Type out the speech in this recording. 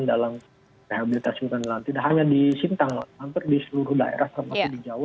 tidak hanya di sintang hampir di seluruh daerah